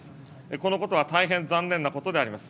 このことは大変残念なことであります。